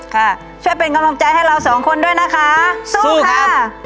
ค่ะช่วยเป็นกำลังใจให้เราสองคนด้วยนะคะสู้ค่ะ